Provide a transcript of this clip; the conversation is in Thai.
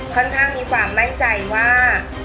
ค่อนข้างมีความมั่นใจว่า